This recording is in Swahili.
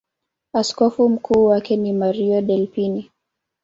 Askofu mkuu wake ni Mario Delpini.